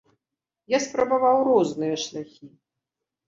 Я спрабаваў розныя шляхі.